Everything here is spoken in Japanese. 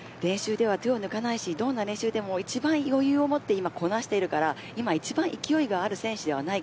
練習では手を抜かないしどんな練習でも一番余裕を持って今こなしているから今一番勢いがある選手ではないか